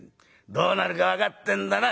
どうなるか分かってんだな？